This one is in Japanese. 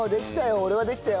俺はできたよ。